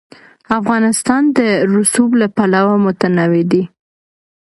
افغانستان د رسوب له پلوه متنوع دی.